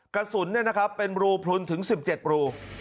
กระสุนเนี่ยนะครับเป็นรูพลุนถึง๑๗รู